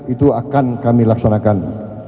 itu akan kami laksanakan